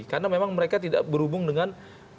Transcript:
karena memang mereka tidak berhubung dengan